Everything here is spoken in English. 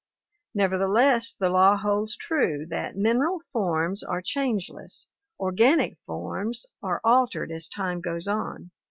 Nevertheless the law holds true that mineral forms are changeless, organic forms are altered as time goes on.